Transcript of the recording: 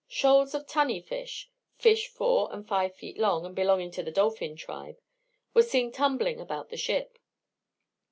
Shoals of tunny fish, (fish four and five feet long, and belonging to the dolphin tribe,) were seen tumbling about the ship.